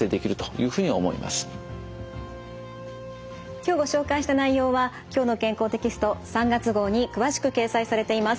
今日ご紹介した内容は「きょうの健康」テキスト３月号に詳しく掲載されています。